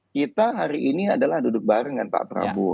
kita hari ini adalah duduk bareng dengan pak prabowo